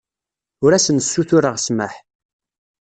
Ur asen-ssutureɣ ssmaḥ.